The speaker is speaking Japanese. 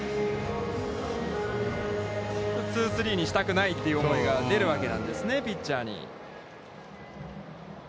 ツースリーにしたくないという思いが出るわけなんですね、ピッチャーに。